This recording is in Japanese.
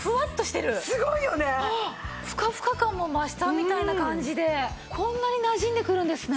ふかふか感も増したみたいな感じでこんなになじんでくるんですね。